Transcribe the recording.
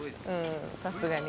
さすがに。